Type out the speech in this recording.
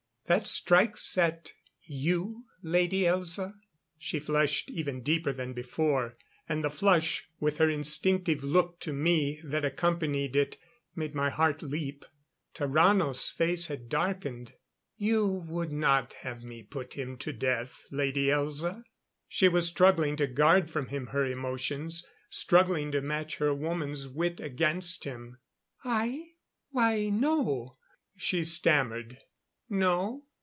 That strikes at you, Lady Elza?" She flushed even deeper than before, and the flush, with her instinctive look to me that accompanied it, made my heart leap. Tarrano's face had darkened. "You would not have me put him to death, Lady Elza?" She was struggling to guard from him her emotions; struggling to match her woman's wit against him. "I why no," she stammered. "No?